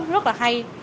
rất là hay